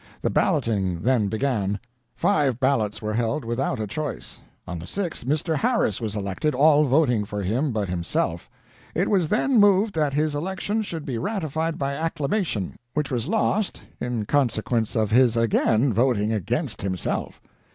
The balloting then began. Five ballots were held without a choice. On the sixth, Mr. Harris was elected, all voting for him but himself. It was then moved that his election should be ratified by acclamation, which was lost, in consequence of his again voting against himself.